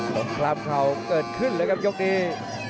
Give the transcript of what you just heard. ลงครั้งเขาเกิดขึ้นเลยครับยกนี้